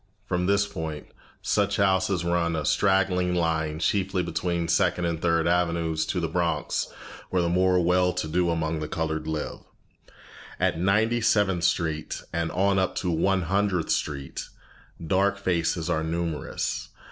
From this point, such houses run, a straggling line, chiefly between Second and Third Avenues, to the Bronx where the more well to do among the colored live. At Ninety seventh Street, and on up to One Hundredth Street, dark faces are numerous.